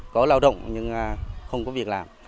có lao động nhưng không có việc làm